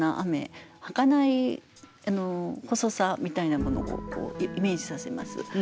はかない細さみたいなものをイメージさせます。